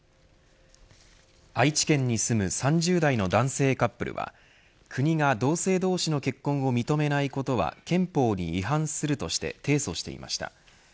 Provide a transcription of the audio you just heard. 愛知県に住む３０代の男性カップルは国が同姓同士の結婚を認めないことは憲法に違反するとして提訴していました。